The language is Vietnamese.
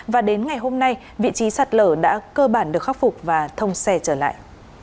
và đến ngày hôm nay vị trí sạt lở đã cơ bản được khắc phục và thông xe trở lại